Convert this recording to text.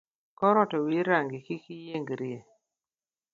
Kor ot owir rangi kik iyiengrie.